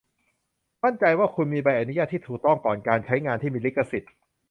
มั่นใจว่าคุณมีใบอนุญาตที่ถูกต้องก่อนการใช้งานที่มีลิขสิทธิ์